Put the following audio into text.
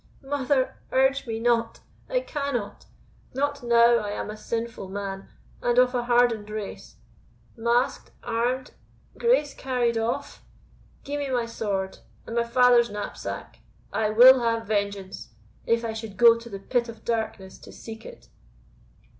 mother! urge me not I cannot not now I am a sinful man, and of a hardened race. Masked armed Grace carried off! Gie me my sword, and my father's knapsack I will have vengeance, if I should go to the pit of darkness to seek it!"